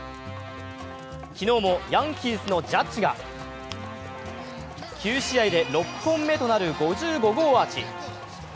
昨日もヤンキースのジャッジが９試合で６本目となる５５号アーチ。